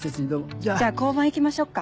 じゃあ交番行きましょっか。